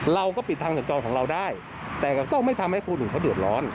เราก็ปิดทางสัญจรของเราได้แต่ก็ต้องไม่ทำให้คนอื่นเขาเดือดร้อน